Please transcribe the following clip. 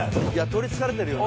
取りつかれてるよ。